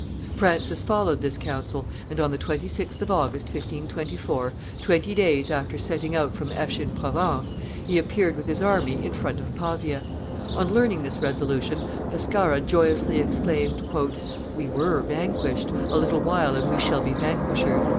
Francis followed this counsel, and on the 26th of August, 1524, twenty days after setting out from Aix in Provence, he appeared with his army in front of Pavia. On learning this resolution, Pescara joyously exclaimed, "We were vanquished; a little while and we shall be vanquishers."